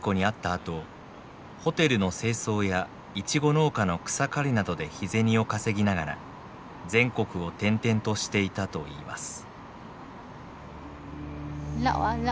あとホテルの清掃やイチゴ農家の草刈りなどで日銭を稼ぎながら全国を転々としていたといいます。